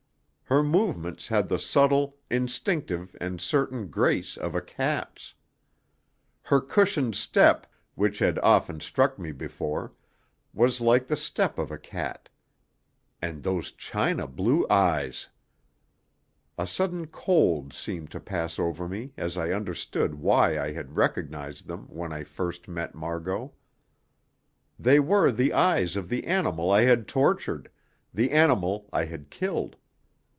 Her movements had the subtle, instinctive and certain grace of a cat's. Her cushioned step, which had often struck me before, was like the step of a cat. And those china blue eyes! A sudden cold seemed to pass over me as I understood why I had recognised them when I first met Margot. They were the eyes of the animal I had tortured, the animal I had killed.